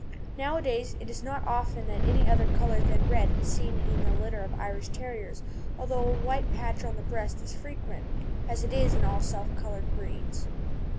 Nowadays it is not often that any other colour than red is seen in a litter of Irish Terriers, although a white patch on the breast is frequent, as it is in all self coloured breeds.